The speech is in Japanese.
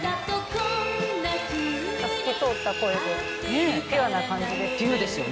透き通った声でピュアな感じですよね。